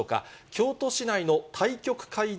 京都市内の対局会場